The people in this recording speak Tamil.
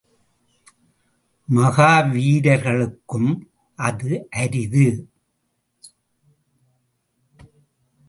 மகா வீரர்களுக்கும் அது அரிது.